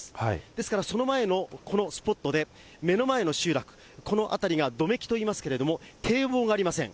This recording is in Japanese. ですからその前のこのスポットで、目の前の集落、この辺りが百目木といいますけれども、堤防がありません。